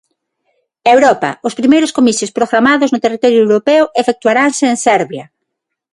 Europa Os primeiros comicios programados no territorio europeo efectuaranse en Serbia.